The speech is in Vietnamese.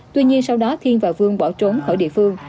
tuy nhiên sau đó thiên và vương bỏ trốn khỏi địa phương